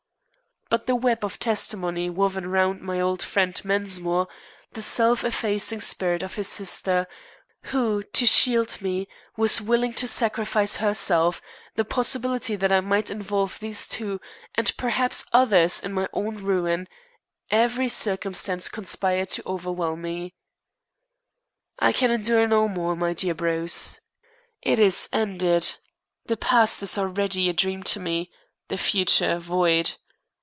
But the web of testimony woven round my old friend, Mensmore; the self effacing spirit of his sister, who, to shield me, was willing to sacrifice herself; the possibility that I might involve these two, and perhaps others, in my own ruin every circumstance conspired to overwhelm me. I can endure no more, my dear Bruce. It is ended. The past is already a dream to me the future void.